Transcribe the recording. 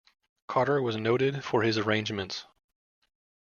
Carter was noted for his arrangements.